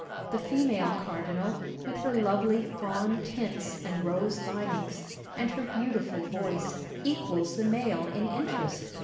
The female cardinal, with her lovely fawn tints and rose linings, and her beautiful voice, equals the male in interest.